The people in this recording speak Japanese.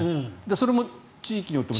それも地域によっても。